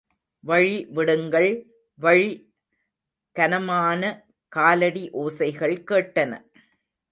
வழிவிடுங்கள், வழி! கனமான காலடி ஓசைகள் கேட்டன.